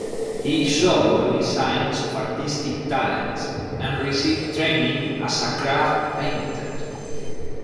He showed early signs of artistic talent, and received training as a craft painter.